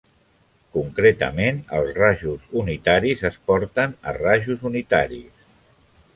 Concretament, els rajos unitaris es porten a rajos unitaris.